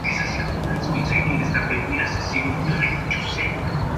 Representa un cuarto de un pipe, de ahí su nombre.